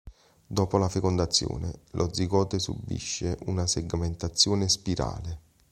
Dopo la fecondazione, lo zigote subisce una segmentazione spirale.